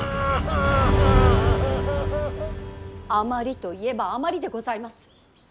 あまりといえばあまりでございます。